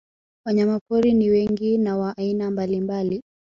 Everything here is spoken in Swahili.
Wanyamapori ni wengi na wa aina mbalimbali